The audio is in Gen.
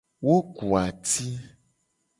Wo ku ati.